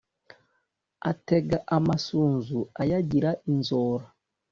atega amasunzu ayagira inzora